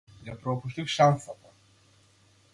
Ја пропуштив шансата.